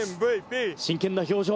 真剣な表情。